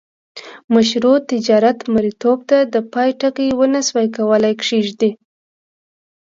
مشروع تجارت مریتوب ته د پای ټکی ونه سوای کولای کښيږدي.